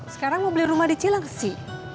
sekarang mau beli rumah di cilang sih